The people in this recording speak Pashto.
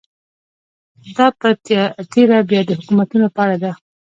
دا په تېره بیا د حکومتونو په اړه ده.